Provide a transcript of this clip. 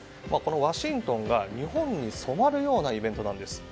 ワシントンが日本に染まるようなイベントなんです。